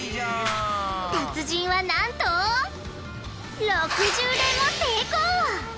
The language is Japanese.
達人はなんと６０連も成功！